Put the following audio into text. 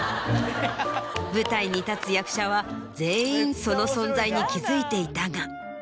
舞台に立つ役者は全員その存在に気付いていたが。